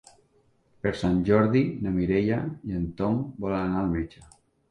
Per Sant Jordi na Mireia i en Tom volen anar al metge.